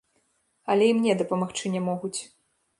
Але і мне дапамагчы не могуць.